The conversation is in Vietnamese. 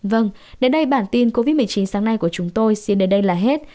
vâng đến đây bản tin covid một mươi chín sáng nay của chúng tôi xin đến đây là hết